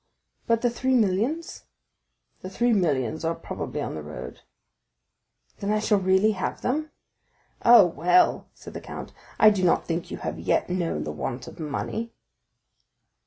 "But the three millions?" "The three millions are probably on the road." "Then I shall really have them?" "Oh, well," said the count, "I do not think you have yet known the want of money."